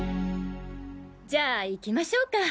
じゃあ行きましょうか！